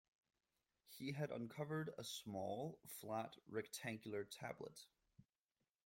He had uncovered a small, flat, rectangular tablet.